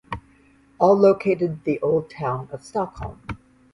All located the Old Town of Stockholm.